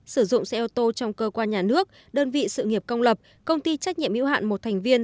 sử dụng xe ô tô trong cơ quan nhà nước đơn vị sự nghiệp công lập công ty trách nhiệm hữu hạn một thành viên